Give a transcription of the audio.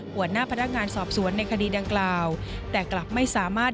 หัวหน้าพนักงานสอบสวนในคดีดังกล่าวแต่กลับไม่สามารถ